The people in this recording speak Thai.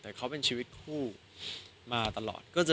แต่เขาเป็นชีวิตคู่มาตลอด